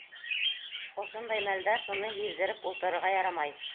Ошондай мәлдә шуны һиҙҙереп ултырырға ярамай!